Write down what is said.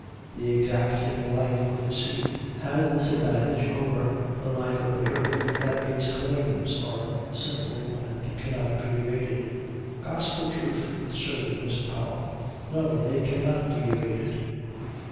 The exacting life of the sea has this advantage over the life of the earth that its claims are simple and cannot be evaded." "Gospel truth," assented Mr. Powell. "No! they cannot be evaded."